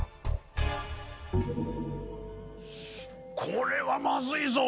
これはまずいぞ。